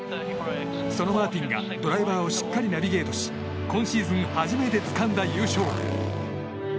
そのマーティンがドライバーをしっかりナビゲートし今シーズン初めてつかんだ優勝。